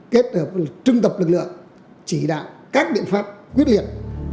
kết hợp trưng tập lực lượng chỉ đạo các biện pháp quyết liệt